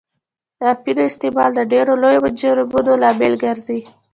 اپینو استعمال د ډېرو لویو جرمونو لامل ګرځي.